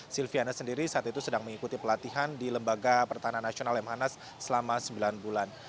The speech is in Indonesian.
silviana sendiri saat itu sedang mengikuti pelatihan di lembaga pertahanan nasional lemhanas selama sembilan bulan